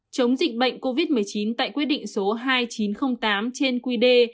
chống dịch bệnh covid một mươi chín tại quyết định số hai nghìn chín trăm linh tám trên quy đề